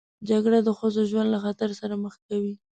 جګړه د ښځو ژوند له خطر سره مخ کوي